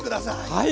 はい！